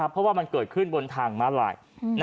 เพราะว่ามันเกิดขึ้นบนทางม้าลาย